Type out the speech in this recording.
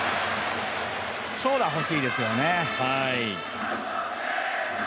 長打、ほしいですよね。